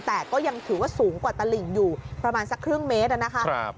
แต่ก็ยังถือว่าสูงกว่าตลิ่งอยู่ประมาณสักครึ่งเมตรนะครับ